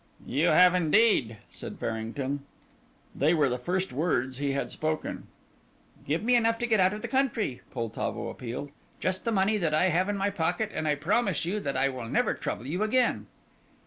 "You have indeed," said Farrington. They were the first words he had spoken. "Give me enough to get out of the country," Poltavo appealed, "just the money that I have in my pocket, and I promise you that I will never trouble you again."